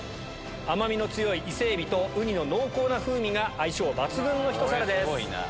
甘みの強い伊勢海老とウニの濃厚な風味が相性抜群のひと皿です。